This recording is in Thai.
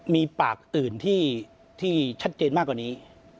มีปากอื่นที่ชัดเจนมากกว่านี้